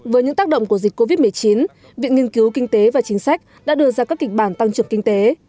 với những tác động của dịch covid một mươi chín viện nghiên cứu kinh tế và chính sách đã đưa ra các kịch bản tăng trưởng kinh tế